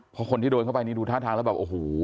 เพราะคนที่โดนเข้าไปนี่ดูท่าทางแล้วแบบโอ้โห